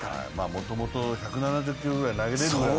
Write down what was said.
もともと１７０キロくらい投げれるくらいな。